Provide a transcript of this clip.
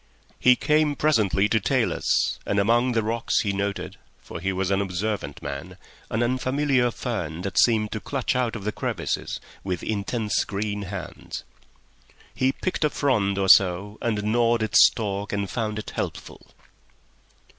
He came presently to talus, and among the rocks he noted—for he was an observant man—an unfamiliar fern that seemed to clutch out of the crevices with intense green hands. He picked a frond or so and gnawed its stalk, and found it helpful.